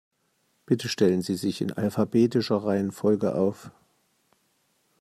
Bitte stellen Sie sich in alphabetischer Reihenfolge auf.